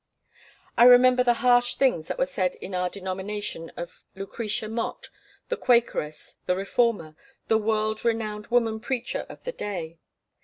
I remember the harsh things that were said in our denomination of Lucretia Mott, the quakeress, the reformer, the world renowned woman preacher of the day.